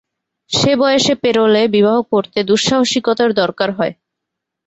সে বয়সে পেরোলে বিবাহ করতে দুঃসাহসিকতার দরকার হয়।